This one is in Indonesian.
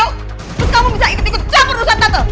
terus kamu bisa ikut ikut capur rusak tante